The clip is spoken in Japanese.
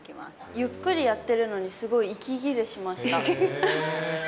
ゆっくりやってるのに、すごい息切れしました。